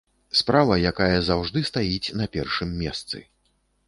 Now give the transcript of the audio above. Справа, якая заўжды стаіць на першым месцы.